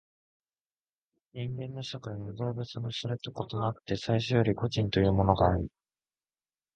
人間の社会は動物のそれと異なって最初より個人というものがあり、